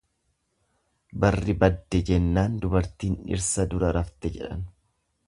Barri badde jennaan dubartiin dhirsa dura rafte jedhan.